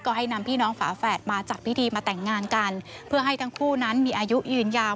ก็ให้นำพี่น้องฝาแฝดมาจัดพิธีมาแต่งงานกันเพื่อให้ทั้งคู่นั้นมีอายุยืนยาว